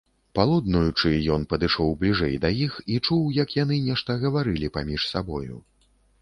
Палуднуючы, ён падышоў бліжэй да іх і чуў, як яны нешта гаварылі паміж сабою.